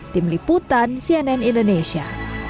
tim liputan cnn indonesia